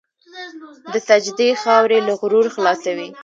د سجدې خاورې له غرور خلاصوي.